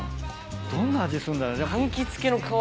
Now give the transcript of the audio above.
どんな味すんだろう。